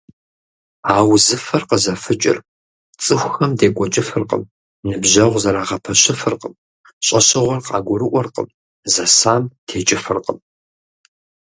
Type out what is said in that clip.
А узыфэр къызэфыкӏыр цӀыхухэм декӀуэкӀыфыркъым, ныбжьэгъу зэрагъэпэщыфыркъым, щӀэщыгъуэр къагурыӀуэркъым, зэсам текӀыфыркъым.